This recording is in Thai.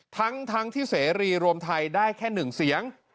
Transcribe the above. ทั้งที่เสรีรวมไทยได้แค่๑เสียง